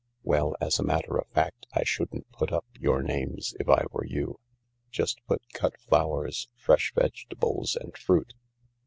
" Well, as a matter of fact, I shouldn't put up your names if I were you. Just put 'Cut Flowers, Fresh Vegetables and Fruit.